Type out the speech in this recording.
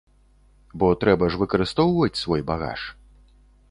Бо трэба ж выкарыстоўваць свой багаж.